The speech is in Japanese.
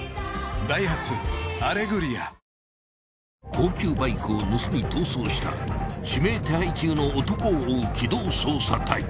［高級バイクを盗み逃走した指名手配中の男を追う機動捜査隊］